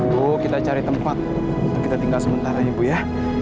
bu kita cari tempat untuk kita tinggal sementara ya bu ya